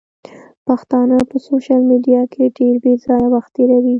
پښتانه په سوشل ميډيا کې ډېر بېځايه وخت تيروي.